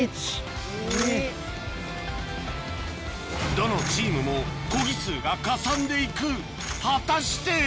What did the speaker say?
どのチームもコギ数がかさんで行く果たして？